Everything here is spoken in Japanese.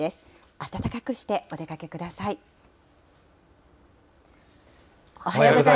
暖かくしてお出かけください。